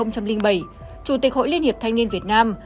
chủ tịch hội liên hiệp thanh niên việt nam